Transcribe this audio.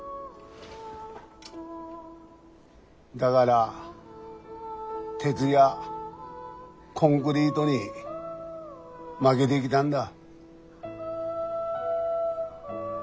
だがら鉄やコンクリートに負げできたんだ。